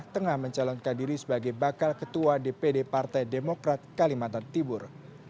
tengah mencalonkan diri sebagai bakal ketua dpd partai demokrat kalimantan timur